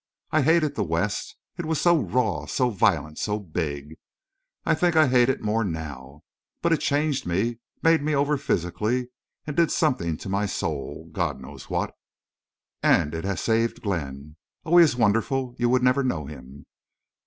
"I—I hated the West. It was so raw—so violent—so big. I think I hate it more—now.... But it changed me—made me over physically—and did something to my soul—God knows what.... And it has saved Glenn. Oh! he is wonderful! You would never know him....